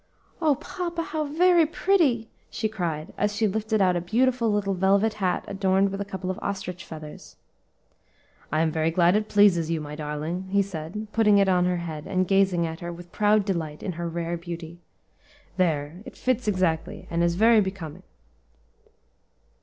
"O papa, how very pretty!" she cried, as she lifted out a beautiful little velvet hat adorned with a couple of ostrich feathers. "I am very glad it pleases you, my darling," he said, putting it on her head, and gazing at her with proud delight in her rare beauty. "There! it fits exactly, and is very becoming."